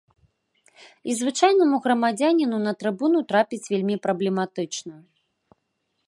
І звычайнаму грамадзяніну на трыбуну трапіць вельмі праблематычна.